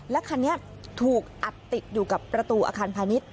และคันนี้ถูกอัดติดอยู่กับประตูอาคารพาณิชย